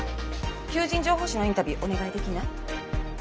求人情報誌のインタビューお願いできない？